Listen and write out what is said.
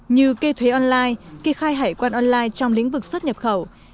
như kê thuế online kê khai hải quan online trong lĩnh vực xuất nhập khẩu